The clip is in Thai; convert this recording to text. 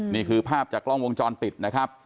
นี่คือภาพจากกล้องวงจรปิดนะครับ